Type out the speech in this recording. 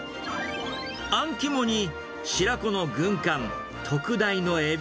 アン肝に白子の軍艦、特大のエビ、